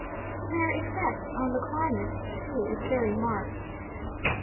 Their effect on the climate too is very marked.